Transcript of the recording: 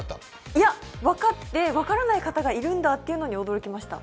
いや、分かって、分からない方がいるんだということに驚きました。